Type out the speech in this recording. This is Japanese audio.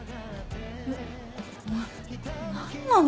なんなの？